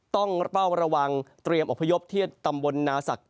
ต้องเป้าระวังเตรียมอพยพที่ตำบลนาศักดิ